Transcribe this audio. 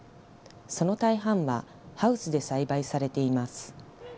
その大半はハウスで栽培されています。